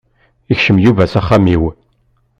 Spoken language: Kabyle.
Yekcem Yuba s axxam-iw.